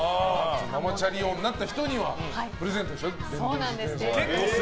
ママチャリ王になった人にはプレゼントでしょ、電動自転車。